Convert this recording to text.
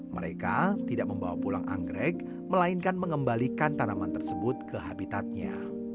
mereka tidak membawa pulang anggrek melainkan mengembalikan tanaman tersebut ke habitatnya